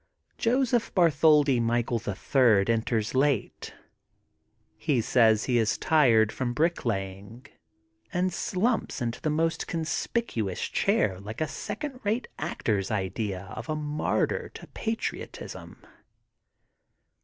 Joseph Bartholdi Michael, the Third, enters late. He says he is tired from bricklaying and slumps into the most conspicuous chair like a second rate actor's idea of a martyr to pa triotism.